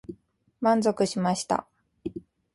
満足しました。